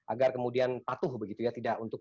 agar kemudian patuh tidak untuk